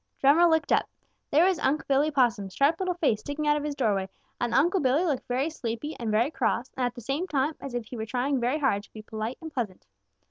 Drummer looked up. There was Unc' Billy Possum's sharp little face sticking out of his doorway, and Unc' Billy looked very sleepy and very cross and at the same time as if he were trying very hard to be polite and pleasant.